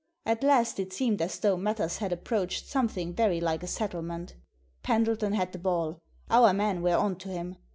At last it seemed as though matters had approached something very like a settlement Pendleton had the ball Our men were on to him.